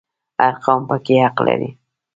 هر قوم پکې حق لري